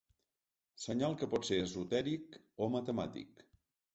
Senyal que pot ser esotèric o matemàtic.